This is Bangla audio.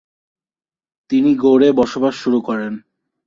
তিনি গৌড়ে বসবাস শুরু করেন।